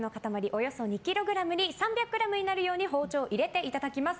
およそ２ｋｇに３００ｇになるように包丁を入れていただきます。